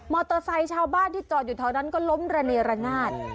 เตอร์ไซค์ชาวบ้านที่จอดอยู่แถวนั้นก็ล้มระเนระนาด